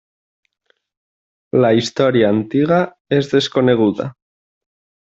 La història antiga és desconeguda.